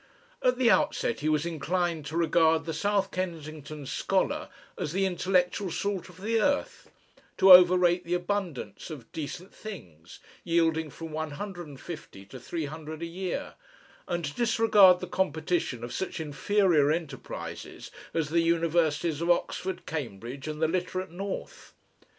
At the outset he was inclined to regard the South Kensington scholar as the intellectual salt of the earth, to overrate the abundance of "decent things" yielding from one hundred and fifty to three hundred a year, and to disregard the competition of such inferior enterprises as the universities of Oxford, Cambridge, and the literate North.